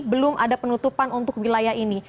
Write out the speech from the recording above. belum ada penutupan untuk wilayah ini